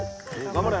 頑張れ。